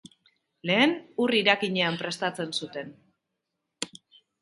Lehen ur irakinean prestatzen zuten.